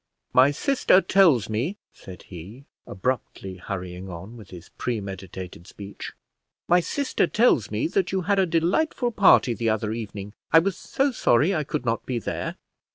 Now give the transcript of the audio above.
"My sister tells me," said he, abruptly hurrying on with his premeditated speech, "my sister tells me that you had a delightful party the other evening. I was so sorry I could not be there."